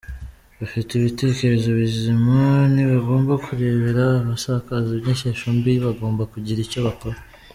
Abafite ibitekerezo bizima ntibagomba kurebera abasakaza inyigisho mbi, bagomba kugira icyo bakora.